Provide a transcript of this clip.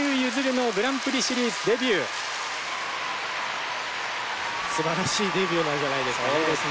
すばらしいデビューなんじゃないですかね。